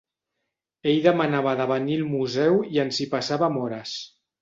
Ell demanava de venir al museu i ens hi passàvem hores.